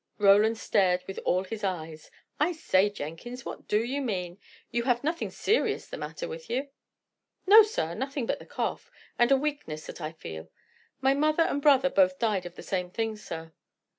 Roland stared with all his eyes. "I say, Jenkins, what do you mean? You have nothing serious the matter with you?" "No, sir; nothing but the cough, and a weakness that I feel. My mother and brother both died of the same thing, sir."